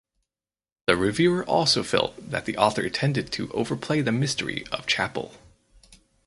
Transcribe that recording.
The reviewer also felt that the author tended to overplay the mystery of chapel.